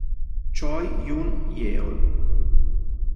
Choi Yoon-yeol